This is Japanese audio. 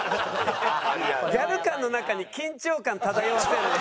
ギャル感の中に緊張感漂わせるの。